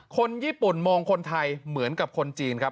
คนญี่ปุ่นมองคนไทยเหมือนกับคนจีนครับ